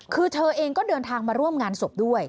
คือเธอเองก็เดินทางมาร่วมงานศพด้วย